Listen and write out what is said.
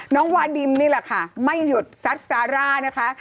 น้องวาดิมนี่แหละค่ะไม่หยุดซัดซาร่านะคะ